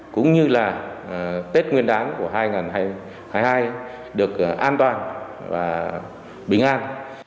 cũng như là tết nguyên đán của hai nghìn hai mươi hai được an toàn và bình an